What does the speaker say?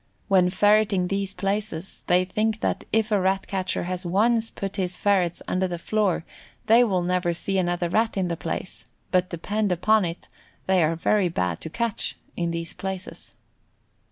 When ferreting these places they think that if a Rat catcher has once put his ferrets under the floor they will never see another Rat in the place; but depend upon it they are very bad to catch in these places.